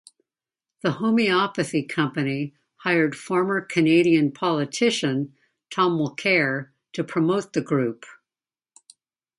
The homeopathy company hired former Canadian politician Tom Mulcair to promote the group.